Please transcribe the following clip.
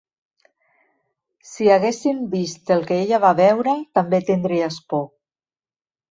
Si haguessin vist el que ella va veure també tindries por